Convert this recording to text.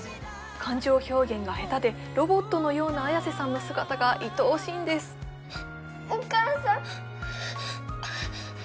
感情表現がヘタでロボットのような綾瀬さんの姿がいとおしいんですお母さん